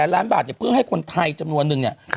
๒๐๐๐๐๐ล้านบาทจะเพิ่งให้คนไทยจำนวนนึงเนี่ย